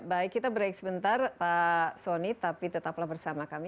baik kita break sebentar pak sony tapi tetaplah bersama kami